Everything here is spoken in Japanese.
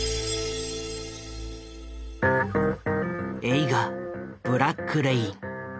映画「ブラック・レイン」。